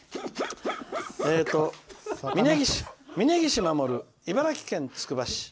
みねぎしまもる茨城県つくば市。